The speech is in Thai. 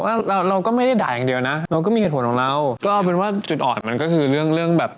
เราเราก็ไม่ได้ด่าอย่างเดียวนะเราก็มีเหตุผลของเราก็เอาเป็นว่าจุดอ่อนมันก็คือเรื่องเรื่องแบบ